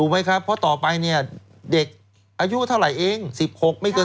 ไหมครับเพราะต่อไปเนี่ยเด็กอายุเท่าไหร่เอง๑๖ไม่เกิน